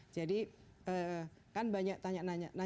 jadi kan banyak tanya tanya